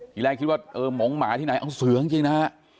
ทีแรกคิดว่าโหมังหมาที่ไหนอ้าวเสือกจริงนะ